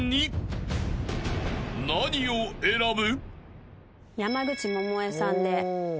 ［何を選ぶ？］